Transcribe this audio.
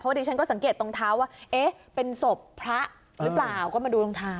ดิฉันก็สังเกตตรงเท้าว่าเอ๊ะเป็นศพพระหรือเปล่าก็มาดูรองเท้า